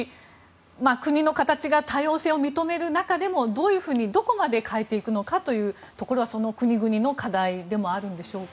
国の形が多様性を認める中でもどういうふうにどこまで変えていくのかというのはその国々の課題でもあるんでしょうか。